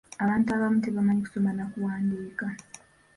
Abantu abamu tebamanyi kusoma na kuwandiika.